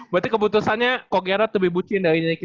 berarti keputusannya kok gera lebih bucin dari kita sekarang ya